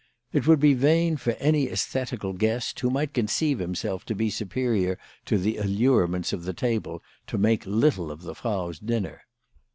It would be vain for any aesthetical guest, who might conceive himself to be superior to the allurements of the table, to make little of the Frau's dinner.